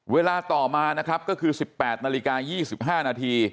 เวลาต่อมานะครับก็คือ๑๘๒๕น